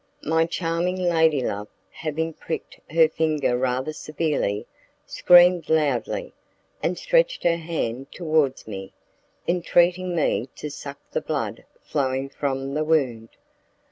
My charming ladylove having pricked her finger rather severely, screamed loudly, and stretched her hand towards me, entreating me to suck the blood flowing from the wound.